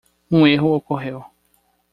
Um erro ocorreu.